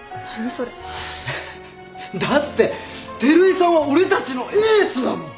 だって照井さんは俺たちのエースだもん！